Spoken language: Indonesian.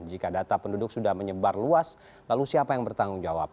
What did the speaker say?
jika data penduduk sudah menyebar luas lalu siapa yang bertanggung jawab